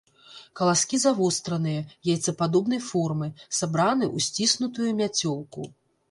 Каласкі завостраныя, яйцападобнай формы, сабраны ў сціснутую мяцёлку.